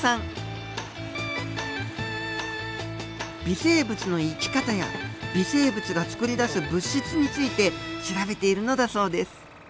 微生物の生き方や微生物がつくり出す物質について調べているのだそうです。